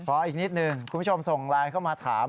อีกนิดหนึ่งคุณผู้ชมส่งไลน์เข้ามาถาม